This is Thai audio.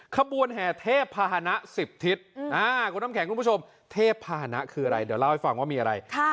ขบวนแห่เทพภาษณะ๑๐ทิศคุณน้ำแข็งคุณผู้ชมเทพภาษณะคืออะไรเดี๋ยวเล่าให้ฟังว่ามีอะไร